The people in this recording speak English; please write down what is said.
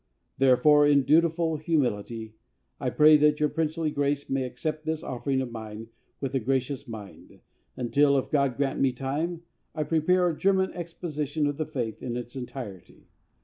Therefore, in dutiful humility I pray that your princely Grace may accept this offering of mine with a gracious mind, until, if God grant me time, I prepare a German exposition of the Faith in its entirety.